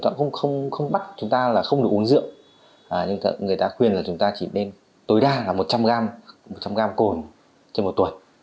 chúng ta không bắt chúng ta là không được uống rượu nhưng người ta khuyên là chúng ta chỉ nên tối đa là một trăm linh gram cồn trên một tuần